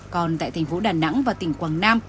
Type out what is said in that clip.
còn tại thành phố đà nẵng và tỉnh quảng nam